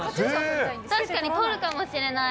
確かに撮るかもしれない。